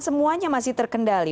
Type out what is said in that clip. semuanya masih terkendali